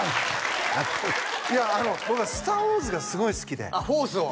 やってるいや僕は「スター・ウォーズ」がすごい好きであっフォースを？